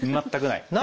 全くない？